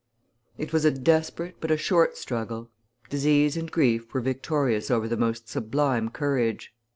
It was a desperate but a short struggle. Disease and grief were victorious over the most sublime courage.